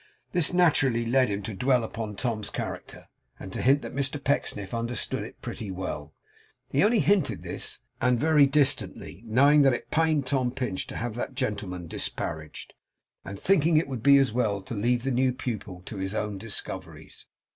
This naturally led him to dwell upon Tom's character, and to hint that Mr Pecksniff understood it pretty well. He only hinted this, and very distantly; knowing that it pained Tom Pinch to have that gentleman disparaged, and thinking it would be as well to leave the new pupil to his own discoveries.